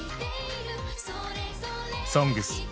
「ＳＯＮＧＳ」